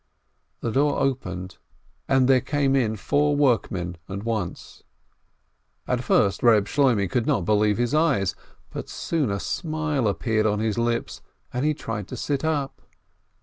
The door opened, and there came in four workmen at once. At first Eeb Shloimeh could not believe his eyes, but soon a smile appeared upon his lips, and he tried to sit up.